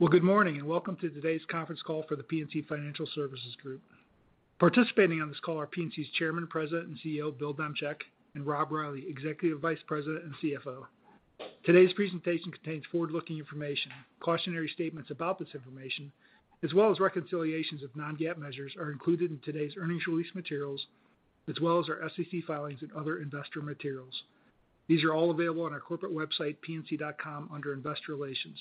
Well, good morning and welcome to today's conference call for the PNC Financial Services Group. Participating on this call are PNC's Chairman, President, and CEO, Bill Demchak, and Rob Reilly, Executive Vice President and CFO. Today's presentation contains forward-looking information. Cautionary statements about this information, as well as reconciliations of non-GAAP measures are included in today's earnings release materials, as well as our SEC filings and other investor materials. These are all available on our corporate website, pnc.com, under Investor Relations.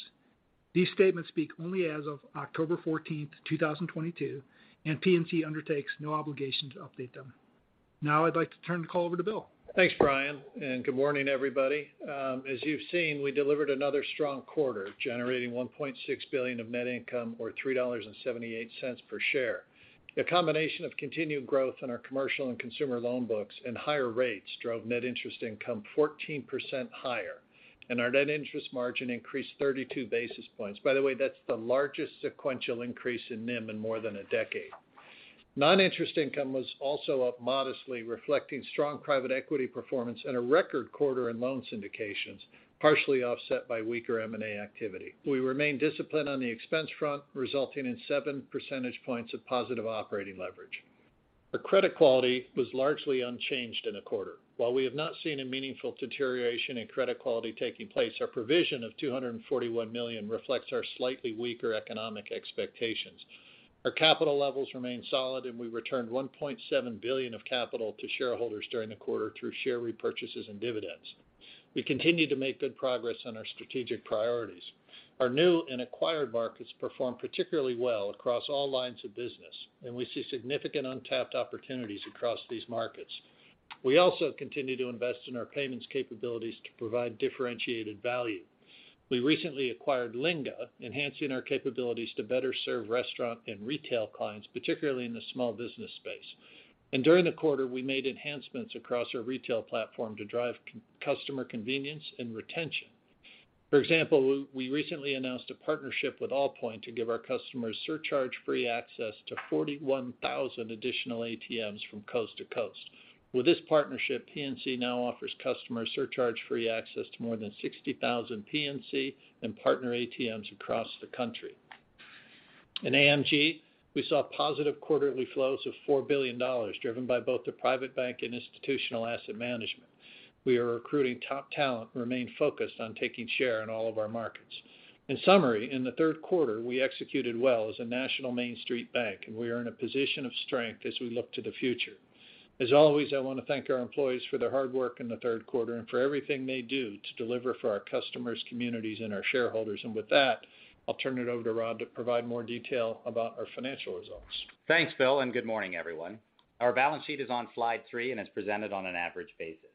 These statements speak only as of October 14th, 2022, and PNC undertakes no obligation to update them. Now I'd like to turn the call over to Bill. Thanks, Bryan, and good morning, everybody. As you've seen, we delivered another strong quarter, generating $1.6 billion of net income or $3.78 per share. The combination of continued growth in our commercial and consumer loan books and higher rates drove net interest income 14% higher, and our net interest margin increased 32 basis points. By the way, that's the largest sequential increase in NIM in more than a decade. Non-interest income was also up modestly, reflecting strong private equity performance and a record quarter in loan syndications, partially offset by weaker M&A activity. We remain disciplined on the expense front, resulting in seven percentage points of positive operating leverage. Our credit quality was largely unchanged in the quarter. While we have not seen a meaningful deterioration in credit quality taking place, our provision of $241 million reflects our slightly weaker economic expectations. Our capital levels remain solid, and we returned $1.7 billion of capital to shareholders during the quarter through share repurchases and dividends. We continue to make good progress on our strategic priorities. Our new and acquired markets perform particularly well across all lines of business, and we see significant untapped opportunities across these markets. We also continue to invest in our payments capabilities to provide differentiated value. We recently acquired Linga, enhancing our capabilities to better serve restaurant and retail clients, particularly in the small business space. During the quarter, we made enhancements across our retail platform to drive customer convenience and retention. For example, we recently announced a partnership with Allpoint to give our customers surcharge-free access to 41,000 additional ATMs from coast to coast. With this partnership, PNC now offers customers surcharge-free access to more than 60,000 PNC and partner ATMs across the country. In AMG, we saw positive quarterly flows of $4 billion, driven by both the private bank and institutional asset management. We are recruiting top talent and remain focused on taking share in all of our markets. In summary, in the third quarter, we executed well as a national Main Street bank, and we are in a position of strength as we look to the future. As always, I want to thank our employees for their hard work in the third quarter and for everything they do to deliver for our customers, communities, and our shareholders. With that, I'll turn it over to Robert to provide more detail about our financial results. Thanks, Bill, and good morning, everyone. Our balance sheet is on slide three and is presented on an average basis.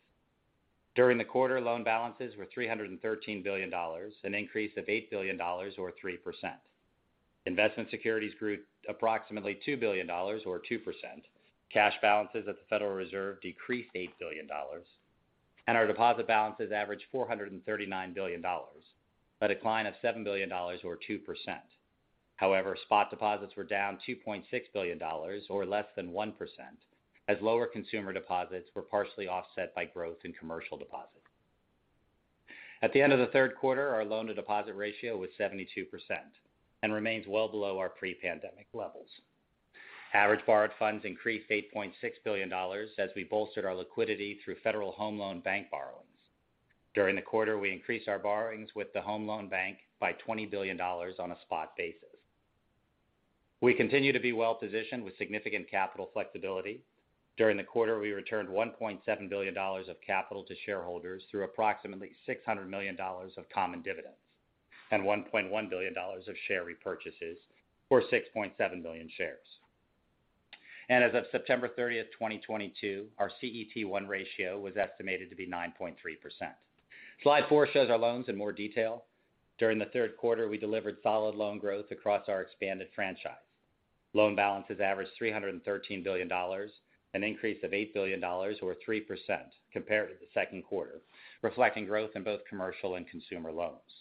During the quarter, loan balances were $313 billion, an increase of $8 billion or 3%. Investment securities grew approximately $2 billion or 2%. Cash balances at the Federal Reserve decreased $8 billion. Our deposit balances averaged $439 billion, a decline of $7 billion or 2%. However, spot deposits were down $2.6 billion or less than 1%, as lower consumer deposits were partially offset by growth in commercial deposits. At the end of the third quarter, our loan-to-deposit ratio was 72% and remains well below our pre-pandemic levels. Average borrowed funds increased $8.6 billion as we bolstered our liquidity through Federal Home Loan Bank borrowings. During the quarter, we increased our borrowings with the Federal Home Loan Bank by $20 billion on a spot basis. We continue to be well-positioned with significant capital flexibility. During the quarter, we returned $1.7 billion of capital to shareholders through approximately $600 million of common dividends and $1.1 billion of share repurchases or 6.7 billion shares. As of September 30, 2022, our CET1 ratio was estimated to be 9.3%. Slide four shows our loans in more detail. During the third quarter, we delivered solid loan growth across our expanded franchise. Loan balances averaged $313 billion, an increase of $8 billion or 3% compared to the second quarter, reflecting growth in both commercial and consumer loans.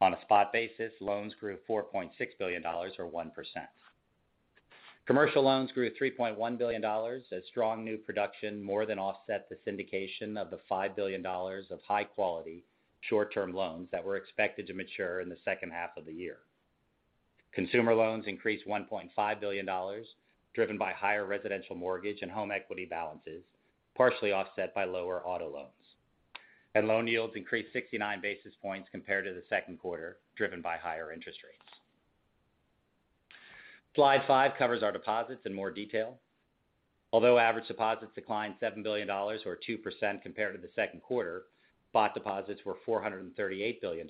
On a spot basis, loans grew $4.6 billion or 1%. Commercial loans grew $3.1 billion as strong new production more than offset the syndication of the $5 billion of high quality short-term loans that were expected to mature in the second half of the year. Consumer loans increased $1.5 billion, driven by higher residential mortgage and home equity balances, partially offset by lower auto loans. Loan yields increased 69 basis points compared to the second quarter, driven by higher interest rates. slide five covers our deposits in more detail. Although average deposits declined $7 billion or 2% compared to the second quarter, spot deposits were $438 billion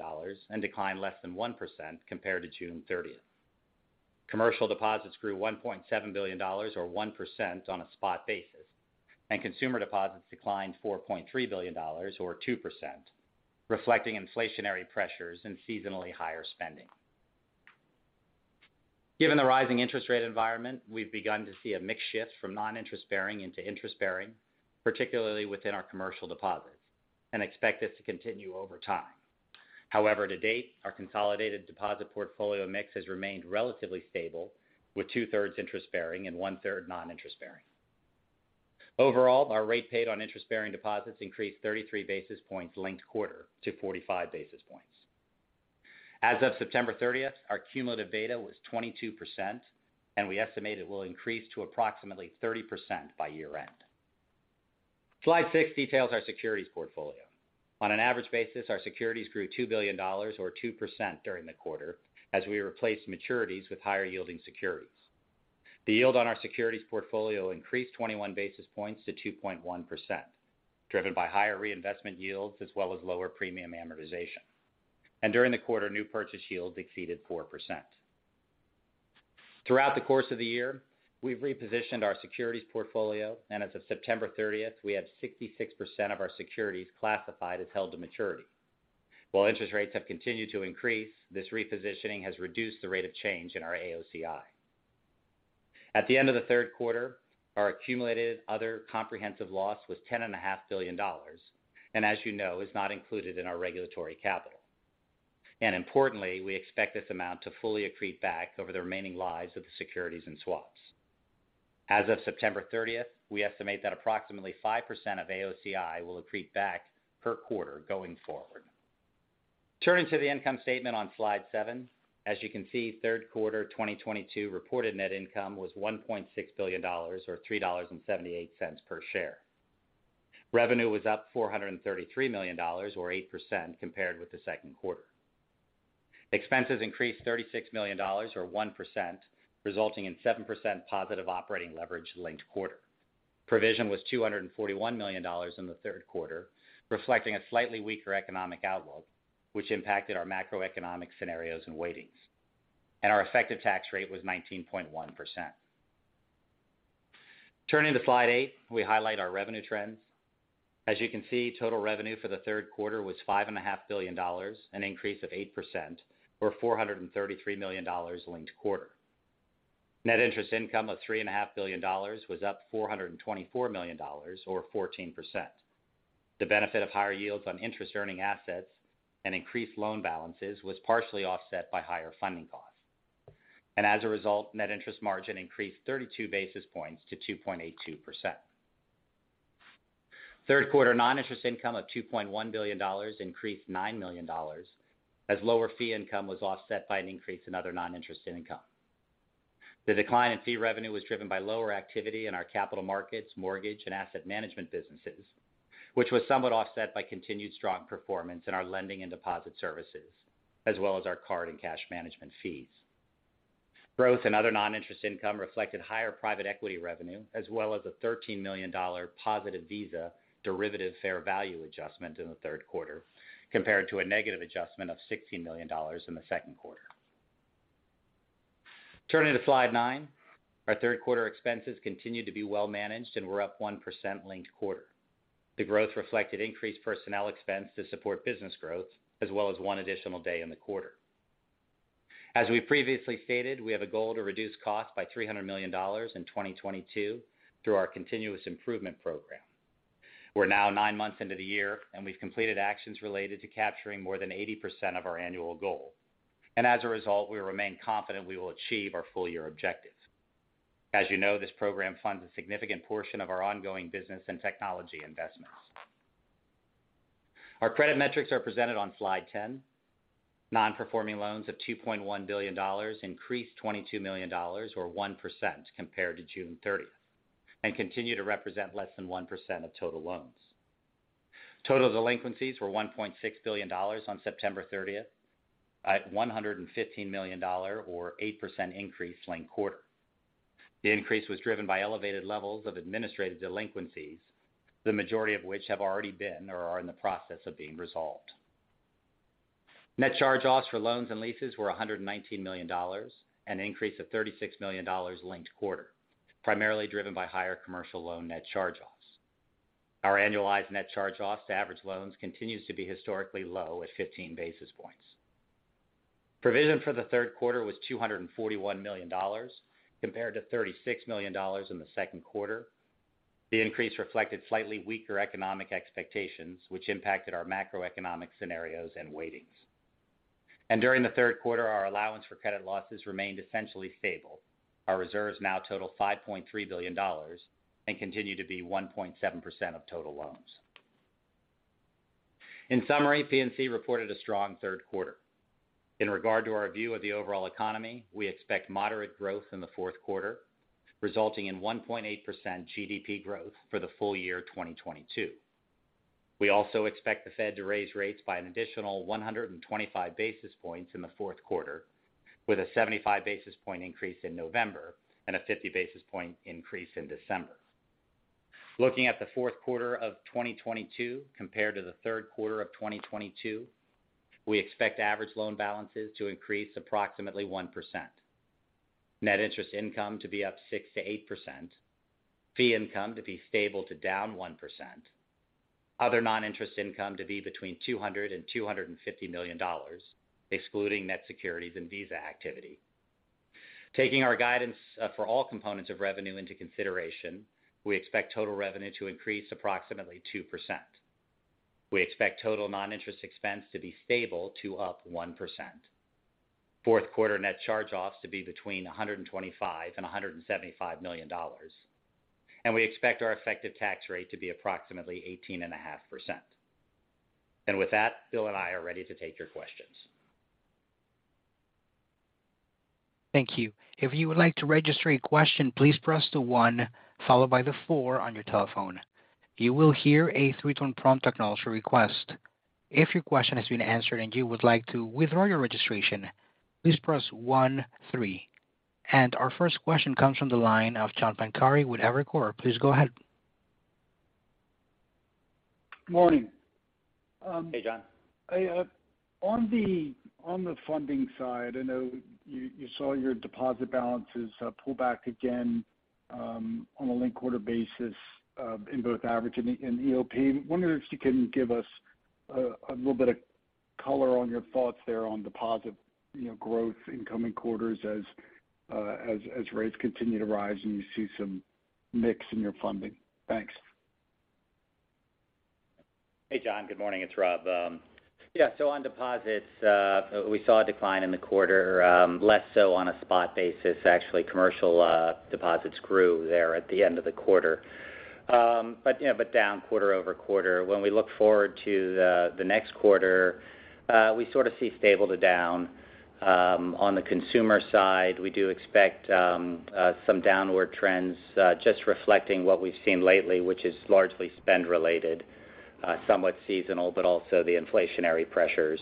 and declined less than 1% compared to June 30. Commercial deposits grew $1.7 billion or 1% on a spot basis, and consumer deposits declined $4.3 billion or 2%, reflecting inflationary pressures and seasonally higher spending. Given the rising interest rate environment, we've begun to see a mix shift from non-interest bearing into interest bearing, particularly within our commercial deposits, and expect this to continue over time. However, to date, our consolidated deposit portfolio mix has remained relatively stable with two-thirds interest bearing and one-third non-interest bearing. Overall, our rate paid on interest-bearing deposits increased 33 basis points linked quarter to 45 basis points. As of September thirtieth, our cumulative beta was 22%, and we estimate it will increase to approximately 30% by year-end. slide six details our securities portfolio. On an average basis, our securities grew $2 billion or 2% during the quarter as we replaced maturities with higher yielding securities. The yield on our securities portfolio increased 21 basis points to 2.1%, driven by higher reinvestment yields as well as lower premium amortization. During the quarter, new purchase yields exceeded 4%. Throughout the course of the year, we've repositioned our securities portfolio, and as of September 30, we have 66% of our securities classified as held to maturity. While interest rates have continued to increase, this repositioning has reduced the rate of change in our AOCI. At the end of the third quarter, our accumulated other comprehensive loss was $10.5 billion, and as you know, is not included in our regulatory capital. Importantly, we expect this amount to fully accrete back over the remaining lives of the securities and swaps. As of September 30th, we estimate that approximately 5% of AOCI will accrete back per quarter going forward. Turning to the income statement on slide seven. As you can see, third quarter 2022 reported net income was $1.6 billion or $3.78 per share. Revenue was up $433 million or 8% compared with the second quarter. Expenses increased $36 million or 1%, resulting in 7% positive operating leverage linked quarter. Provision was $241 million in the third quarter, reflecting a slightly weaker economic outlook, which impacted our macroeconomic scenarios and weightings. Our effective tax rate was 19.1%. Turning to slide eight, we highlight our revenue trends. As you can see, total revenue for the third quarter was $5.5 billion, an increase of 8% or $433 million linked quarter. Net interest income of $3.5 billion was up $424 million or 14%. The benefit of higher yields on interest earning assets and increased loan balances was partially offset by higher funding costs. As a result, net interest margin increased 32 basis points to 2.82%. Third quarter non-interest income of $2.1 billion increased $9 million as lower fee income was offset by an increase in other non-interest income. The decline in fee revenue was driven by lower activity in our capital markets, mortgage, and asset management businesses, which was somewhat offset by continued strong performance in our lending and deposit services, as well as our card and cash management fees. Growth in other non-interest income reflected higher private equity revenue, as well as a $13 million positive Visa derivative fair value adjustment in the third quarter, compared to a negative adjustment of $16 million in the second quarter. Turning to slide nine, our third quarter expenses continued to be well managed and were up 1% linked quarter. The growth reflected increased personnel expense to support business growth, as well as one additional day in the quarter. As we previously stated, we have a goal to reduce costs by $300 million in 2022 through our continuous improvement program. We're now nine months into the year, and we've completed actions related to capturing more than 80% of our annual goal. As a result, we remain confident we will achieve our full year objectives. As you know, this program funds a significant portion of our ongoing business and technology investments. Our credit metrics are presented on slide 10. Non-performing loans of $2.1 billion increased $22 million or 1% compared to June 30, and continue to represent less than 1% of total loans. Total delinquencies were $1.6 billion on September 30, an $115 million or 8% increase linked-quarter. The increase was driven by elevated levels of administrative delinquencies, the majority of which have already been or are in the process of being resolved. Net charge-offs for loans and leases were $119 million, an increase of $36 million linked quarter, primarily driven by higher commercial loan net charge-offs. Our annualized net charge-offs to average loans continues to be historically low at 15 basis points. Provision for the third quarter was $241 million compared to $36 million in the second quarter. The increase reflected slightly weaker economic expectations, which impacted our macroeconomic scenarios and weightings. During the third quarter, our allowance for credit losses remained essentially stable. Our reserves now total $5.3 billion and continue to be 1.7% of total loans. In summary, PNC reported a strong third quarter. In regard to our view of the overall economy, we expect moderate growth in the fourth quarter, resulting in 1.8% GDP growth for the full year 2022. We also expect the Fed to raise rates by an additional 125 basis points in the fourth quarter, with a 75 basis point increase in November and a 50 basis point increase in December. Looking at the fourth quarter of 2022 compared to the third quarter of 2022, we expect average loan balances to increase approximately 1%. Net interest income to be up 6%-8%. Fee income to be stable to down 1%. Other non-interest income to be between $200 million and $250 million, excluding net securities and Visa activity. Taking our guidance for all components of revenue into consideration, we expect total revenue to increase approximately 2%. We expect total non-interest expense to be stable to up 1%. We expect fourth quarter net charge-offs to be between $125 million and $175 million. We expect our effective tax rate to be approximately 18.5%. With that, Bill and I are ready to take your questions. Thank you. If you would like to register a question, please press the one followed by the four on your telephone. You will hear a three-tone prompt acknowledging your request. If your question has been answered and you would like to withdraw your registration, please press one, three. Our first question comes from the line of John Pancari with Evercore. Please go ahead. Morning. Hey, John. On the funding side, I know you saw your deposit balances pull back again on a linked quarter basis in both average and in EOP. I'm wondering if you can give us a little bit of color on your thoughts there on deposit, you know, growth in coming quarters as rates continue to rise and you see some mix in your funding. Thanks. Hey, John. Good morning. It's Rob. On deposits, we saw a decline in the quarter, less so on a spot basis. Actually, commercial deposits grew there at the end of the quarter. But you know, down quarter-over-quarter. When we look forward to the next quarter, we sort of see stable to down. On the consumer side, we do expect some downward trends, just reflecting what we've seen lately, which is largely spend related, somewhat seasonal, but also the inflationary pressures.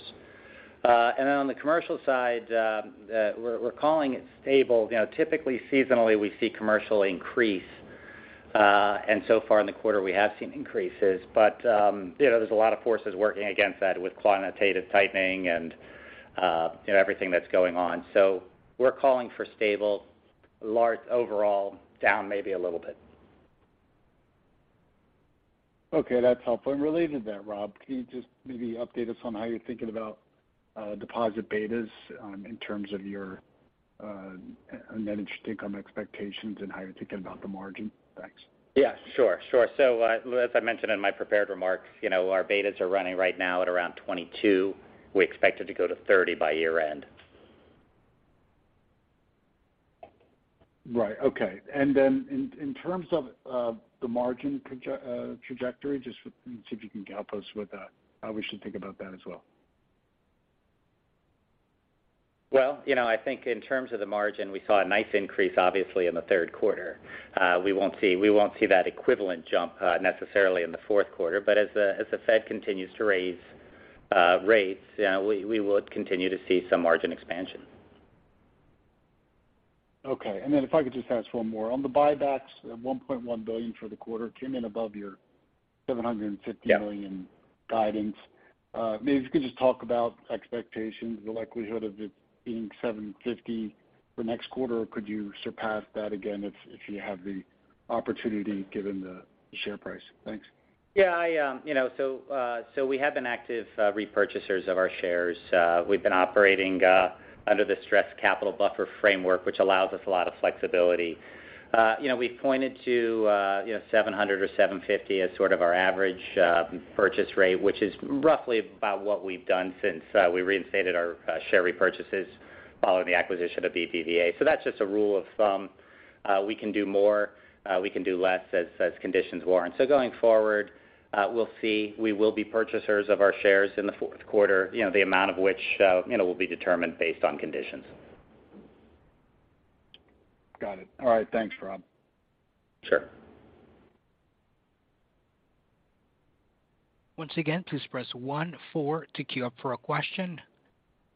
On the commercial side, we're calling it stable. You know, typically seasonally, we see commercial increase. So far in the quarter, we have seen increases. you know, there's a lot of forces working against that with quantitative tightening and, you know, everything that's going on. We're calling for stable, large overall, down maybe a little bit. Okay, that's helpful. Related to that, Rob, can you just maybe update us on how you're thinking about deposit betas, in terms of your net interest income expectations and how you're thinking about the margin? Thanks. Yeah, sure. As I mentioned in my prepared remarks, you know, our betas are running right now at around 22. We expect it to go to 30 by year end. Right. Okay. In terms of the margin trajectory, just see if you can help us with that, how we should think about that as well. Well, you know, I think in terms of the margin, we saw a nice increase, obviously, in the third quarter. We won't see that equivalent jump, necessarily in the fourth quarter. As the Fed continues to raise rates, we would continue to see some margin expansion. Okay. If I could just ask one more. On the buybacks at $1.1 billion for the quarter came in above your $750 million- Yeah. Maybe if you could just talk about expectations, the likelihood of it being $750 for next quarter, or could you surpass that again if you have the opportunity given the share price? Thanks. Yeah, you know, we have been active repurchasers of our shares. We've been operating under the Stress Capital Buffer framework, which allows us a lot of flexibility. You know, we've pointed to, you know, $700 or $750 as sort of our average purchase rate, which is roughly about what we've done since we reinstated our share repurchases following the acquisition of BBVA. That's just a rule of thumb. We can do more, we can do less as conditions warrant. Going forward, we'll see. We will be purchasers of our shares in the fourth quarter, you know, the amount of which, you know, will be determined based on conditions. Got it. All right. Thanks, Rob. Sure. Once again, please press one, four to queue up for a question.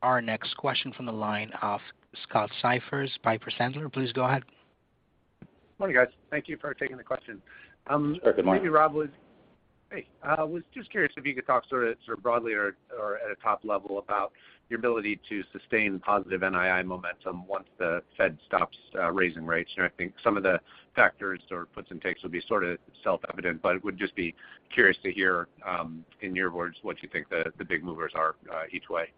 Our next question from the line of Scott Siefers, Piper Sandler. Please go ahead. Morning, guys. Thank you for taking the question. Good morning. Hey, I was just curious if you could talk sort of broadly or at a top level about your ability to sustain positive NII momentum once the Fed stops raising rates. You know, I think some of the factors or puts and takes would be sort of self-evident, but would just be curious to hear, in your words, what you think the big movers are, each way.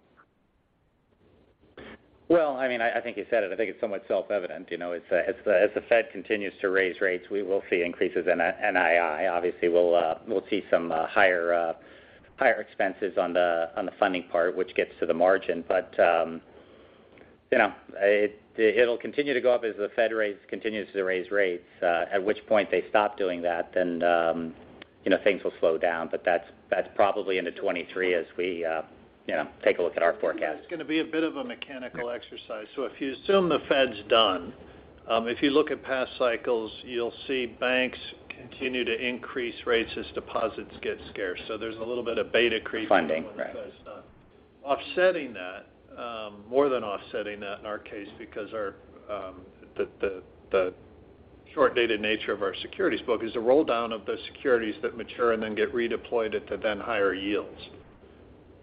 Well, I mean, I think you said it. I think it's somewhat self-evident. You know, as the Fed continues to raise rates, we will see increases in NII. Obviously, we'll see some higher expenses on the funding part, which gets to the margin. You know, it'll continue to go up as the Fed continues to raise rates. At which point they stop doing that, then you know, things will slow down. That's probably into 2023 as we you know, take a look at our forecast. It's gonna be a bit of a mechanical exercise. If you assume the Fed's done, if you look at past cycles, you'll see banks continue to increase rates as deposits get scarce. There's a little bit of beta creeping- Funding, right. Because offsetting that, more than offsetting that in our case, because our the short-dated nature of our securities book is the roll down of the securities that mature and then get redeployed at the then higher yields.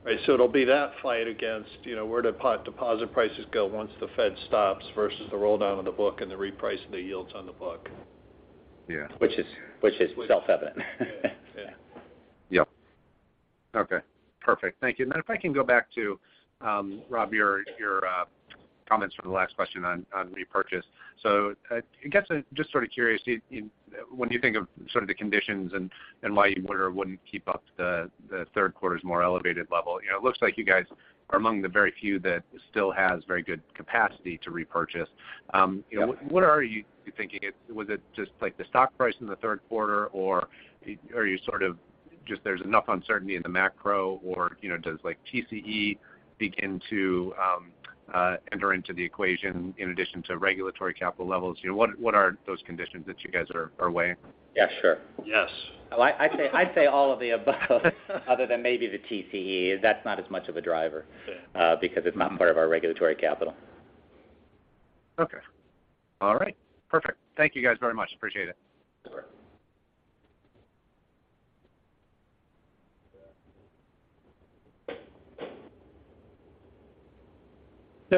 Right, so it'll be that fight against, you know, where do deposit prices go once the Fed stops versus the roll down of the book and the reprice of the yields on the book. Yeah. Which is self-evident. Yeah. Okay, perfect. Thank you. If I can go back to Rob, your comments from the last question on repurchase. I guess I'm just sort of curious, when you think of sort of the conditions and why you would or wouldn't keep up the third quarter's more elevated level. You know, it looks like you guys are among the very few that still has very good capacity to repurchase. Yeah. What are you thinking? Was it just like the stock price in the third quarter, or there's enough uncertainty in the macro, or, you know, does like TCE begin to enter into the equation in addition to regulatory capital levels? You know, what are those conditions that you guys are weighing? Yeah, sure. Yes. Well, I'd say all of the above other than maybe the TCE. That's not as much of a driver. Yeah Because it's not part of our regulatory capital. Okay. All right. Perfect. Thank you guys very much. Appreciate it. Sure.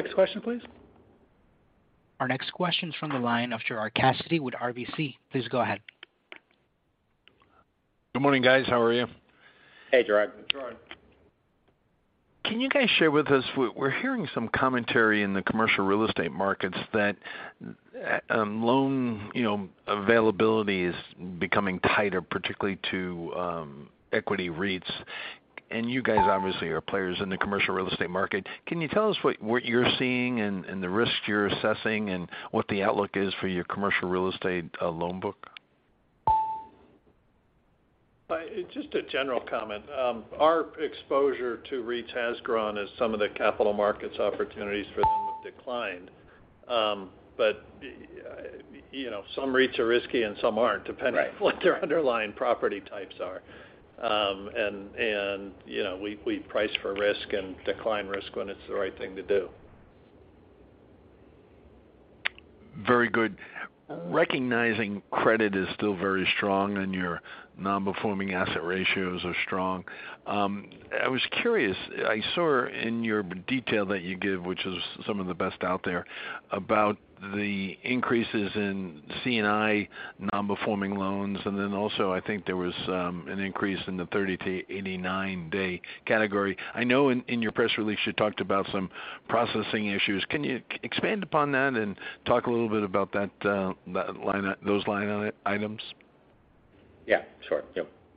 Next question, please. Our next question is from the line of Gerard Cassidy with RBC. Please go ahead. Good morning, guys. How are you? Hey, Gerard. Gerard. Can you guys share with us, we're hearing some commentary in the commercial real estate markets that loan you know availability is becoming tighter, particularly to equity REITs. You guys obviously are players in the commercial real estate market. Can you tell us what you're seeing and the risks you're assessing and what the outlook is for your commercial real estate loan book? Just a general comment. Our exposure to REITs has grown as some of the capital markets opportunities for them have declined. You know, some REITs are risky and some aren't, depending. Right what their underlying property types are. You know, we price for risk and decline risk when it's the right thing to do. Very good. Recognizing credit is still very strong and your non-performing asset ratios are strong. I was curious, I saw in your detail that you give, which is some of the best out there, about the increases in C&I non-performing loans. I think there was an increase in the 30-89 day category. I know in your press release you talked about some processing issues. Can you expand upon that and talk a little bit about that, those line items? Yeah, sure. You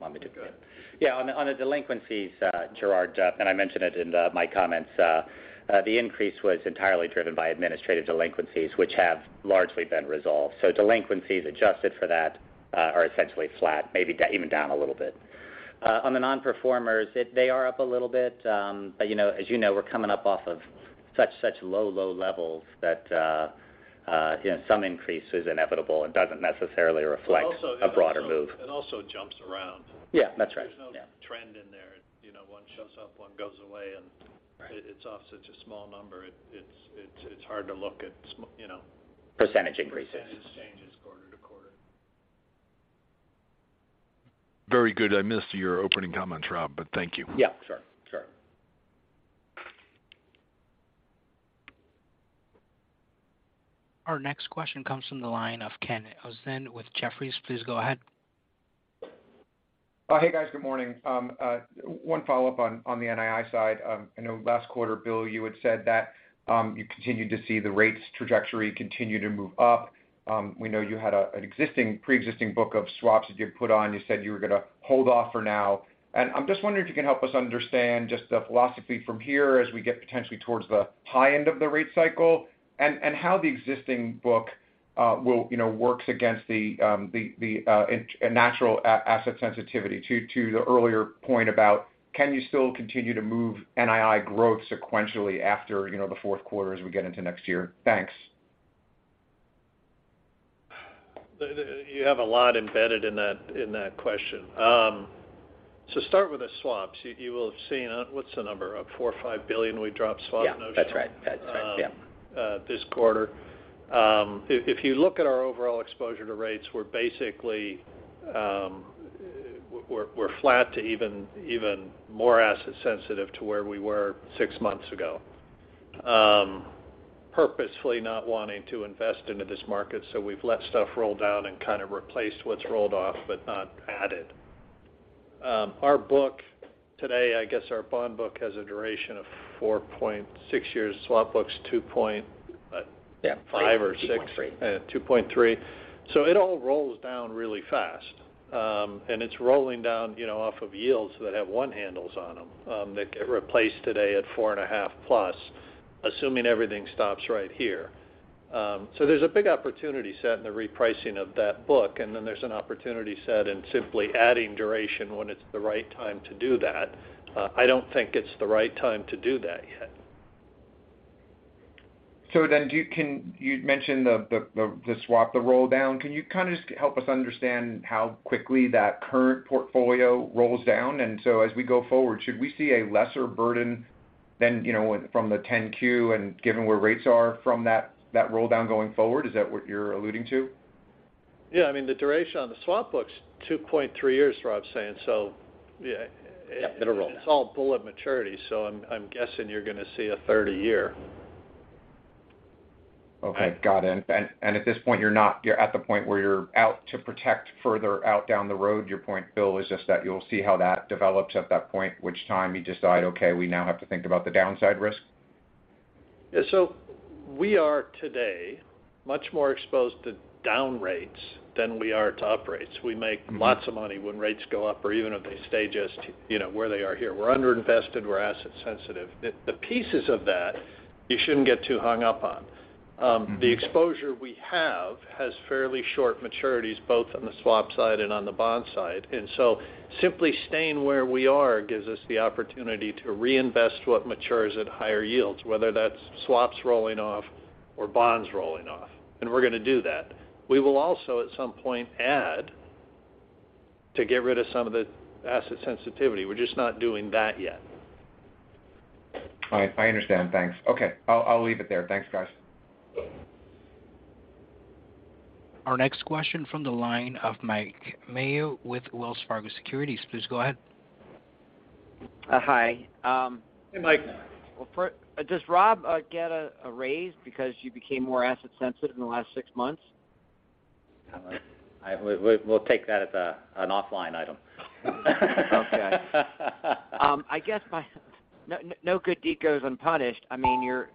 want me to do it? Go ahead. Yeah. On the delinquencies, Gerard, and I mentioned it in my comments, the increase was entirely driven by administrative delinquencies, which have largely been resolved. Delinquencies adjusted for that are essentially flat, maybe even down a little bit. On the non-performers, they are up a little bit. You know, as you know, we're coming up off of such low levels that you know, some increase is inevitable and doesn't necessarily reflect- But also- A broader move. It also jumps around. Yeah, that's right. There's no trend in there. You know, one shows up, one goes away. Right It's off such a small number. It's hard to look at, you know. Percentage increases percentage changes quarter-over-quarter. Very good. I missed your opening comments, Rob, but thank you. Yeah, sure. Sure. Our next question comes from the line of Ken Usdin with Jefferies. Please go ahead. Oh, hey, guys. Good morning. One follow-up on the NII side. I know last quarter, Bill, you had said that you continued to see the rates trajectory continue to move up. We know you had a pre-existing book of swaps that you put on. You said you were gonna hold off for now. I'm just wondering if you can help us understand just the philosophy from here as we get potentially towards the high end of the rate cycle and how the existing book will, you know, work against the natural asset sensitivity to the earlier point about can you still continue to move NII growth sequentially after the fourth quarter as we get into next year? Thanks. You have a lot embedded in that, in that question. Start with the swaps. You will have seen, what's the number, up $4 billion or $5 billion we dropped swaps notion- Yeah. That's right. Yeah. This quarter. If you look at our overall exposure to rates, we're basically flat to even even more asset sensitive to where we were six months ago. Purposefully not wanting to invest into this market, so we've let stuff roll down and kind of replaced what's rolled off but not added. Our book today, I guess our bond book has a duration of 4.6 years. Swap book's two point, what? Yeah. Five or six. 2.3. 2.3. It all rolls down really fast. It's rolling down, you know, off of yields that have one handles on them, that get replaced today at 4.5+, assuming everything stops right here. There's a big opportunity set in the repricing of that book, and then there's an opportunity set in simply adding duration when it's the right time to do that. I don't think it's the right time to do that yet. You mentioned the swap, the roll down. Can you kind of just help us understand how quickly that current portfolio rolls down? Should we see a lesser burden than, you know, from the 10-Q and given where rates are from that roll down going forward? Is that what you're alluding to? Yeah. I mean, the duration on the swap book's 2.3 years, Rob's saying. Yeah. It'll roll down. It's all bullet maturity, so I'm guessing you're gonna see a 30-year. Okay. Got it. At this point, you're at the point where you're out to protect further out down the road. Your point, Bill, is just that you'll see how that develops at that point, at which time you decide, okay, we now have to think about the downside risk? Yeah. We are today much more exposed to down rates than we are to up rates. We make. Mm-hmm. Lots of money when rates go up or even if they stay just, you know, where they are here. We're underinvested, we're asset sensitive. The pieces of that you shouldn't get too hung up on. Mm-hmm. The exposure we have has fairly short maturities, both on the swap side and on the bond side. Simply staying where we are gives us the opportunity to reinvest what matures at higher yields, whether that's swaps rolling off or bonds rolling off, and we're going to do that. We will also, at some point, add to get rid of some of the asset sensitivity. We're just not doing that yet. All right. I understand. Thanks. Okay, I'll leave it there. Thanks, guys. Our next question from the line of Mike Mayo with Wells Fargo Securities. Please go ahead. Hi. Hey, Mike. Well, does Rob get a raise because you became more asset sensitive in the last six months? We'll take that as an offline item. Okay. No good deed goes unpunished. I mean, your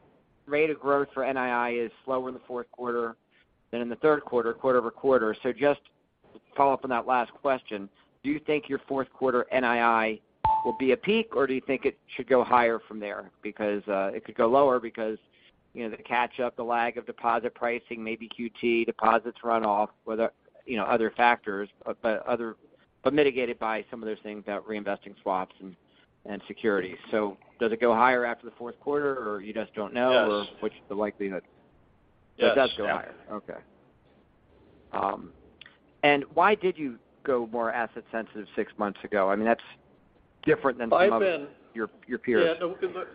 rate of growth for NII is slower in the fourth quarter than in the third quarter-over-quarter. Just to follow up on that last question, do you think your fourth quarter NII will be a peak, or do you think it should go higher from there? Because it could go lower because the catch up, the lag of deposit pricing, maybe QT deposits run off, whether other factors, but mitigated by some of those things about reinvesting swaps and securities. Does it go higher after the fourth quarter or you just don't know? Yes. What's the likelihood? Yes. It does go higher. Okay. Why did you go more asset sensitive six months ago? I mean, that's different than some of I've been- your peers. Yeah. No, because look,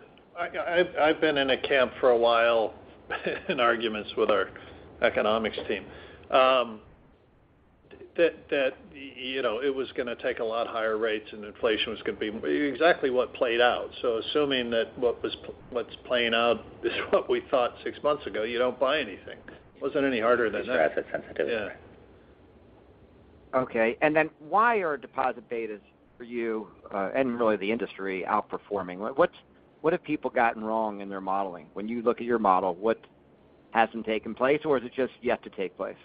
I've been in a camp for a while in arguments with our economics team. You know, it was gonna take a lot higher rates and inflation was gonna be exactly what played out. Assuming that what's playing out is what we thought six months ago, you don't buy anything. Wasn't any harder than that. Just asset sensitive. Yeah. Okay. Why are deposit betas for you, and really the industry outperforming? What have people gotten wrong in their modeling? When you look at your model, what hasn't taken place or is it just yet to take place?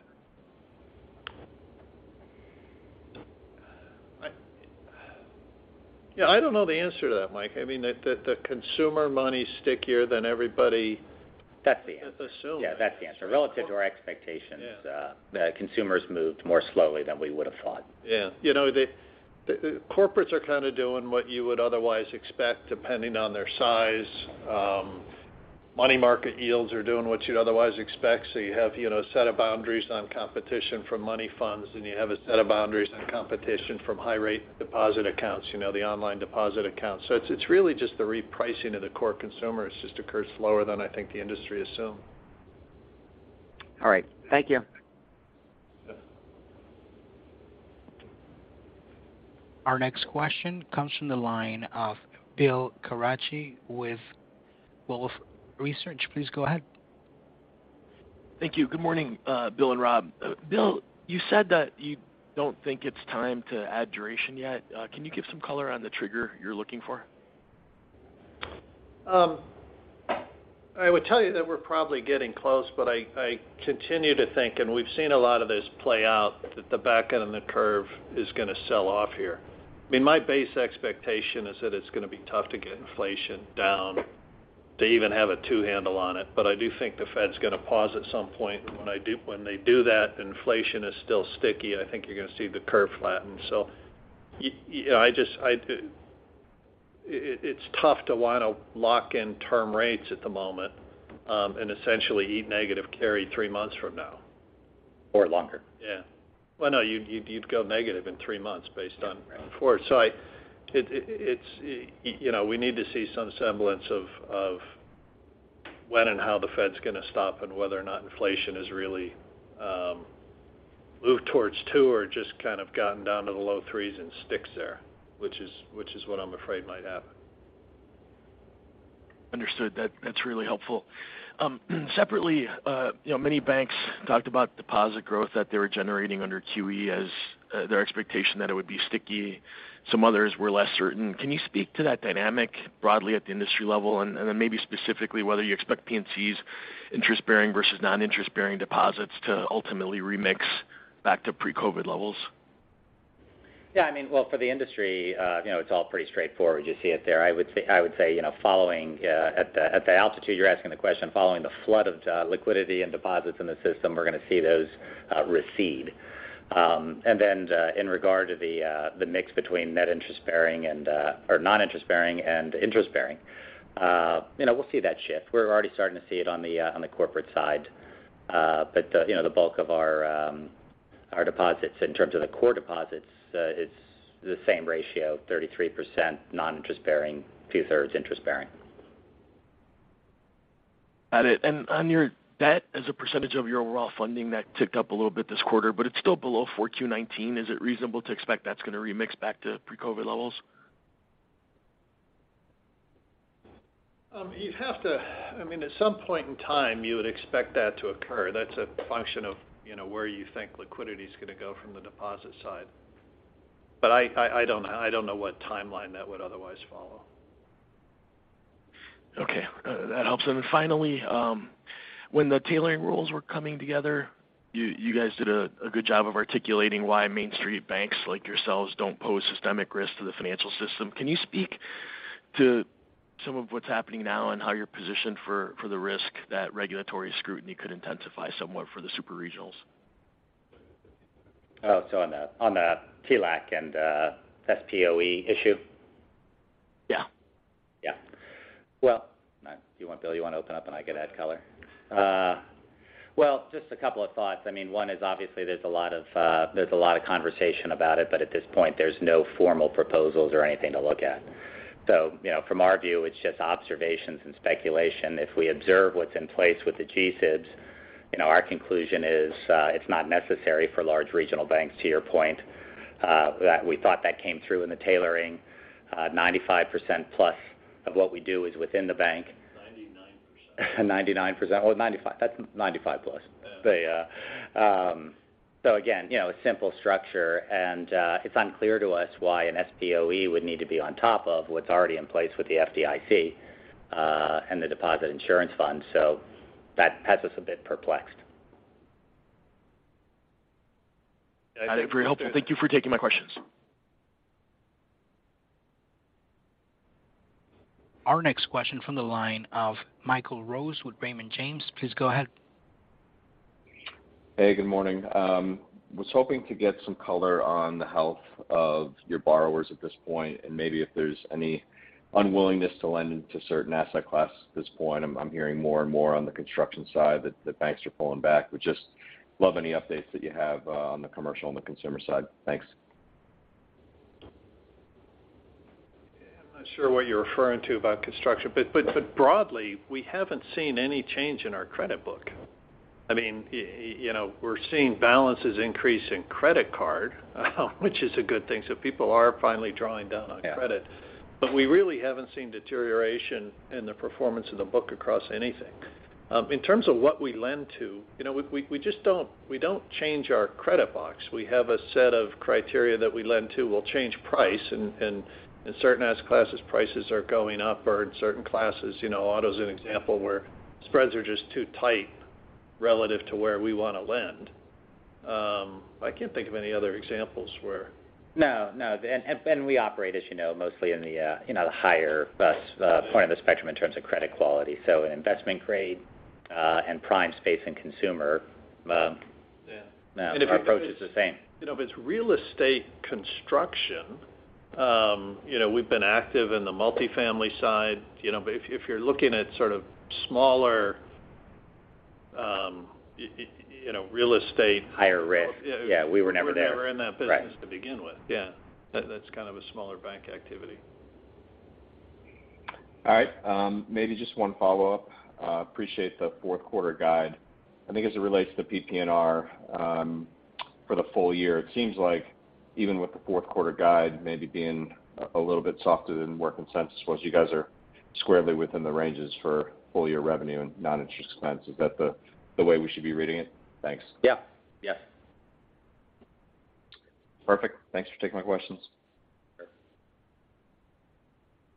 Yeah, I don't know the answer to that, Mike. I mean, the consumer money is stickier than everybody. That's the answer. -assumed. Yeah, that's the answer. Relative to our expectations- Yeah Consumers moved more slowly than we would have thought. Yeah. You know, the corporates are kind of doing what you would otherwise expect, depending on their size. Money market yields are doing what you'd otherwise expect. You have, you know, a set of boundaries on competition from money funds, and you have a set of boundaries on competition from high rate deposit accounts, you know, the online deposit accounts. It's really just the repricing of the core consumers just occurs slower than I think the industry assumed. All right. Thank you. Yeah. Our next question comes from the line of Bill Carcache with Wolfe Research. Please go ahead. Thank you. Good morning, Bill and Rob. Bill, you said that you don't think it's time to add duration yet. Can you give some color on the trigger you're looking for? I would tell you that we're probably getting close, but I continue to think, and we've seen a lot of this play out, that the back end and the curve is gonna sell off here. I mean, my base expectation is that it's gonna be tough to get inflation down to even have a two handle on it. But I do think the Fed's gonna pause at some point. When they do that and inflation is still sticky, I think you're gonna see the curve flatten. You know, I just, it's tough to want to lock in term rates at the moment, and essentially eat negative carry three months from now. Longer. Yeah. Well, no, you'd go negative in three months based on- Yeah, right. It's, you know, we need to see some semblance of when and how the Fed's gonna stop and whether or not inflation has really moved towards two or just kind of gotten down to the low threes and stick there, which is what I'm afraid might happen. Understood. That's really helpful. Separately, you know, many banks talked about deposit growth that they were generating under QE as their expectation that it would be sticky. Some others were less certain. Can you speak to that dynamic broadly at the industry level, and then maybe specifically whether you expect PNC's interest-bearing versus non-interest-bearing deposits to ultimately remix back to pre-COVID levels? Yeah, I mean, well, for the industry, you know, it's all pretty straightforward. You see it there. I would say, you know, following at the altitude you're asking the question, following the flood of liquidity and deposits in the system, we're gonna see those recede. In regard to the mix between non-interest-bearing and interest-bearing, you know, we'll see that shift. We're already starting to see it on the corporate side. You know, the bulk of our deposits in terms of the core deposits, it's the same ratio, 33% non-interest-bearing, 2/3 interest-bearing. Got it. On your debt as a percentage of your overall funding, that ticked up a little bit this quarter, but it's still below 4Q19. Is it reasonable to expect that's going to remix back to pre-COVID levels? I mean, at some point in time, you would expect that to occur. That's a function of, you know, where you think liquidity is gonna go from the deposit side. I don't know what timeline that would otherwise follow. Okay. That helps. Finally, when the tailoring rules were coming together, you guys did a good job of articulating why Main Street banks like yourselves don't pose systemic risk to the financial system. Can you speak to some of what's happening now and how you're positioned for the risk that regulatory scrutiny could intensify somewhat for the super regionals? On the TLAC and SPOE issue? Yeah. Yeah. Well, you wanna, Bill, open up and I can add color? Well, just a couple of thoughts. I mean, one is obviously there's a lot of conversation about it, but at this point, there's no formal proposals or anything to look at. You know, from our view, it's just observations and speculation. If we observe what's in place with the G-SIBs, you know, our conclusion is, it's not necessary for large regional banks, to your point. That we thought that came through in the tailoring. 95% plus of what we do is within the bank. 99%. 99%. Well, 95%. That's 95%+. Yeah. Again, you know, a simple structure, and it's unclear to us why an SPOE would need to be on top of what's already in place with the FDIC, and the Deposit Insurance Fund. That has us a bit perplexed. Very helpful. Thank you for taking my questions. Our next question from the line of Michael Rose with Raymond James. Please go ahead. Hey, good morning. Was hoping to get some color on the health of your borrowers at this point, and maybe if there's any unwillingness to lend into certain asset classes at this point. I'm hearing more and more on the construction side that banks are pulling back. Would just love any updates that you have on the commercial and the consumer side. Thanks. I'm not sure what you're referring to about construction, but broadly, we haven't seen any change in our credit book. I mean, you know, we're seeing balances increase in credit card, which is a good thing, so people are finally drawing down on credit. Yeah. We really haven't seen deterioration in the performance of the book across anything. In terms of what we lend to, we just don't change our credit box. We have a set of criteria that we lend to. We'll change price in certain asset classes, prices are going up, or in certain classes, auto is an example, where spreads are just too tight relative to where we wanna lend. I can't think of any other examples where No, no. We operate, as you know, mostly in the higher point of the spectrum in terms of credit quality. In investment grade and prime space and consumer. Yeah. Our approach is the same. You know, if it's real estate construction, you know, we've been active in the multifamily side. You know, but if you're looking at sort of smaller, you know, real estate. Higher risk. Yeah. Yeah, we were never there. We were never in that business to begin with. Right. Yeah. That's kind of a smaller bank activity. All right. Maybe just one follow-up. Appreciate the fourth quarter guide. I think as it relates to the PPNR, for the full year, it seems like even with the fourth quarter guide maybe being a little bit softer than where consensus was, you guys are squarely within the ranges for full year revenue and non-interest expense. Is that the way we should be reading it? Thanks. Yeah. Yeah. Perfect. Thanks for taking my questions.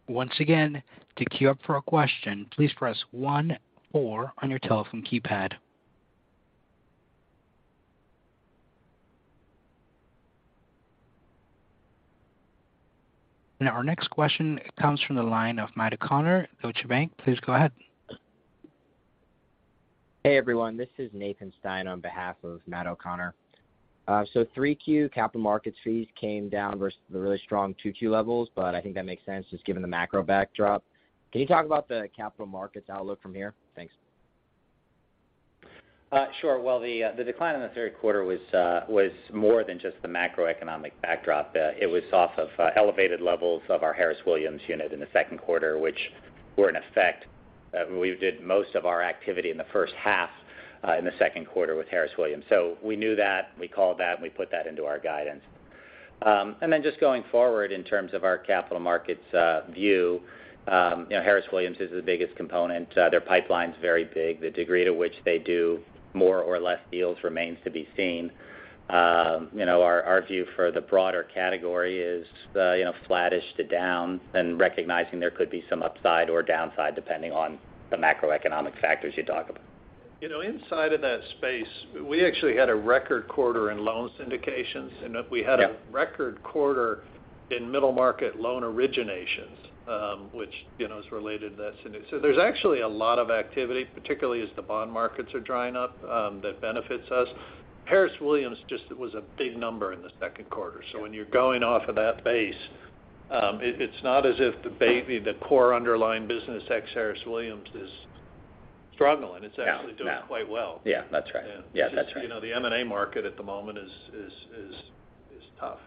Once again, to queue up for a question, please press one four on your telephone keypad. Now our next question comes from the line of Matt O'Connor, Deutsche Bank. Please go ahead. Hey, everyone. This is Nathan Stein on behalf of Matt O'Connor. 3Q capital markets fees came down versus the really strong 2Q levels, but I think that makes sense just given the macro backdrop. Can you talk about the capital markets outlook from here? Thanks. Sure. Well, the decline in the third quarter was more than just the macroeconomic backdrop. It was off of elevated levels of our Harris Williams unit in the second quarter, which were in effect. We did most of our activity in the first half in the second quarter with Harris Williams. We knew that, we called that, and we put that into our guidance. Then just going forward in terms of our capital markets view, you know, Harris Williams is the biggest component. Their pipeline's very big. The degree to which they do more or less deals remains to be seen. You know, our view for the broader category is flattish to down and recognizing there could be some upside or downside, depending on the macroeconomic factors you talk about. You know, inside of that space, we actually had a record quarter in loan syndications. Yeah. We had a record quarter in middle market loan originations, which, you know, is related to that syndication. There's actually a lot of activity, particularly as the bond markets are drying up, that benefits us. Harris Williams just was a big number in the second quarter. Yeah. When you're going off of that base, it's not as if the core underlying business, ex Harris Williams, is struggling. No, no. It's actually doing quite well. Yeah, that's right. It's just, you know, the M&A market at the moment is tough.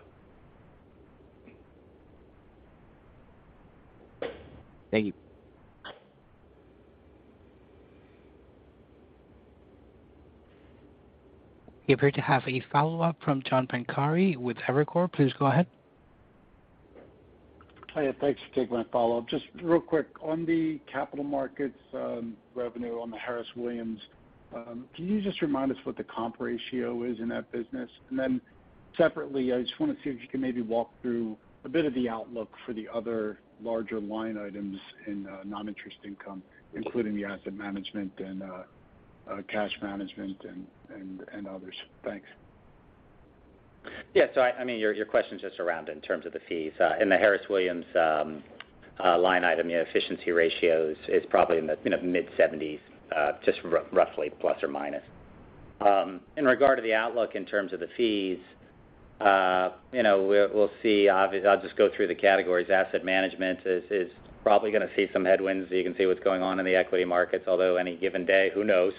Thank you. We appear to have a follow-up from John Pancari with Evercore. Please go ahead. Hi. Thanks for taking my follow-up. Just real quick, on the capital markets revenue on the Harris Williams, can you just remind us what the comp ratio is in that business? Separately, I just wanna see if you can maybe walk through a bit of the outlook for the other larger line items in non-interest income, including the asset management and cash management and others. Thanks. Yeah. I mean, your question's just around in terms of the fees. In the Harris Williams line item, you know, efficiency ratios is probably in the mid-seventies, just roughly, ±. In regard to the outlook in terms of the fees, you know, we'll see. I'll just go through the categories. Asset management is probably gonna see some headwinds. You can see what's going on in the equity markets, although any given day, who knows?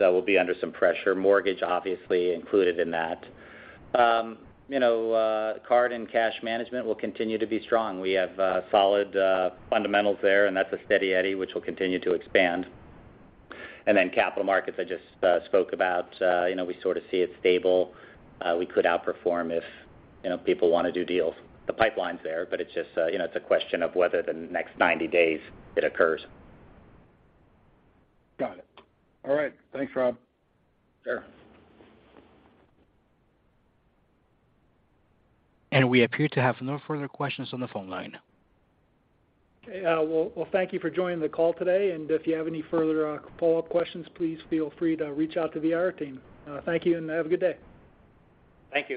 We'll be under some pressure. Mortgage obviously included in that. You know, card and cash management will continue to be strong. We have solid fundamentals there, and that's a steady eddy which will continue to expand. Capital markets I just spoke about. You know, we sort of see it stable. We could outperform if, you know, people wanna do deals. The pipeline's there, but it's just, you know, it's a question of whether the next 90 days it occurs. Got it. All right. Thanks, Rob. Sure. We appear to have no further questions on the phone line. Well, thank you for joining the call today. If you have any further follow-up questions, please feel free to reach out to the IR team. Thank you and have a good day. Thank you.